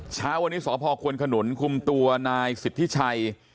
เช้าวันนี้สพควนขนุนคุมตัวนายสิทธิชัย